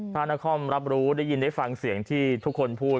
ถ้านครรับรู้ได้ยินได้ฟังเสียงที่ทุกคนพูด